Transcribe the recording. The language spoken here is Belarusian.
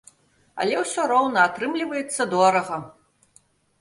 Але ўсё роўна атрымліваецца дорага.